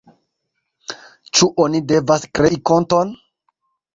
Ĉu oni devas krei konton?